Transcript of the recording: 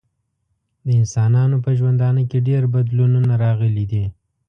د انسانانو په ژوندانه کې ډیر بدلونونه راغلي دي.